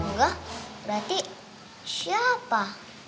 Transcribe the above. enggak berarti siapa